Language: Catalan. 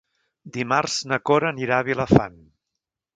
Dimarts na Cora anirà a Vilafant.